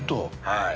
はい。